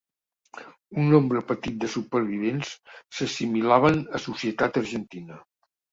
Un nombre petit de supervivents s'assimilaven a societat argentina.